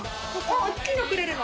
大っきいのくれるの？